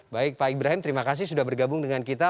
baik pak ibrahim terima kasih sudah bergabung dengan kita